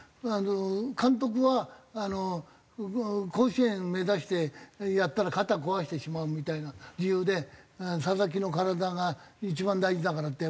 監督は甲子園目指してやったら肩壊してしまうみたいな理由で佐々木の体が一番大事だからって。